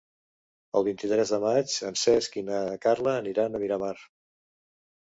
El vint-i-tres de maig en Cesc i na Carla aniran a Miramar.